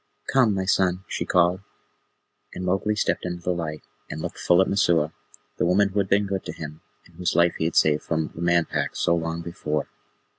"Come, my son," she called, and Mowgli stepped into the light, and looked full at Messua, the woman who had been good to him, and whose life he had saved from the Man Pack so long before.